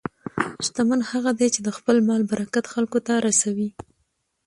شتمن هغه دی چې د خپل مال برکت خلکو ته رسوي.